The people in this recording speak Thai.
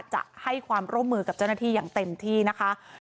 จะให้ความร่วมมือกับเจ้าหน้าที่อย่างเต็มที่นะคะ